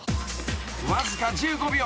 ［わずか１５秒。